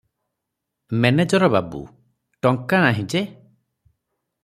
Manager ବାବୁ, "ଟଙ୍କା ନାହିଁ ଯେ ।"